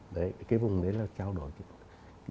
đấy cái vùng đấy là trao đổi